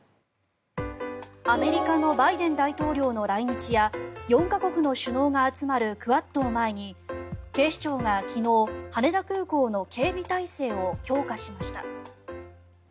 アメリカのバイデン大統領の来日や４か国の首脳が集まるクアッドを前に警視庁が昨日羽田空港の警備態勢を強化しました。